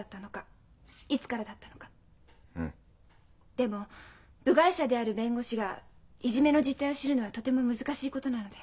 でも部外者である弁護士がいじめの実態を知るのはとても難しいことなので。